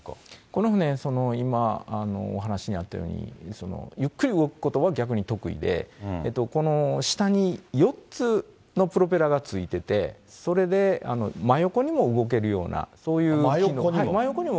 この船、今、お話しにあったように、ゆっくり動くことは逆に得意で、この下に４つのプロペラが付いてて、それで真横にも動けるような、真横にも？